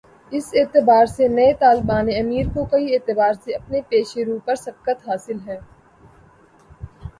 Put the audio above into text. اس اعتبار سے نئے طالبان امیر کو کئی اعتبار سے اپنے پیش رو پر سبقت حاصل ہے۔